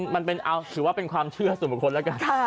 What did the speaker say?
มันเป็นเอาถือว่าเป็นความเชื่อสุมมุติ